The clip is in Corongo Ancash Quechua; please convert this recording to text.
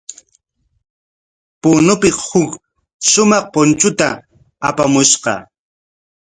Punopik huk shumaq punchuta apamushqa.